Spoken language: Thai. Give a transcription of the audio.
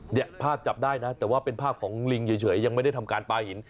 เนี่ยภาพจับได้นะแต่ว่าเป็นภาพของลิงเฉยยังไม่ได้ทำการปลาหิน